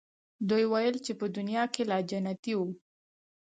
دوی ویل چې په دنیا کې لا جنتیی وو.